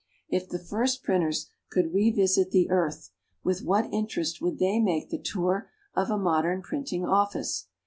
If the first printers could revisit the earth, with what interest would they make the tour of a modern printing office!